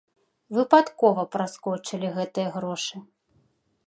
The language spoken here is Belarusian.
Выпадкова праскочылі гэтыя грошы.